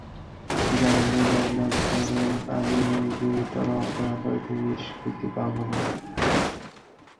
জন্মজন্মান্তরেও আমি এই গুরুতর অপরাধ হইতে নিষ্কৃতি পাইব না।